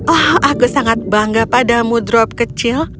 oh aku sangat bangga padamu drop kecil